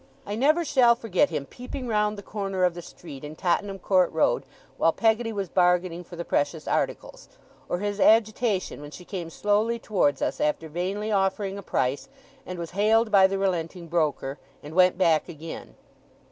I never shall forget him peeping round the corner of the street in Tottenham Court Road, while Peggotty was bargaining for the precious articles; or his agitation when she came slowly towards us after vainly offering a price, and was hailed by the relenting broker, and went back again.